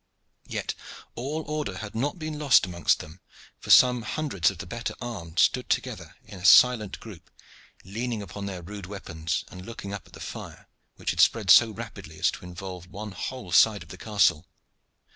Yet all order had not been lost amongst them, for some hundreds of the better armed stood together in a silent group, leaning upon their rude weapons and looking up at the fire, which had spread so rapidly as to involve one whole side of the castle.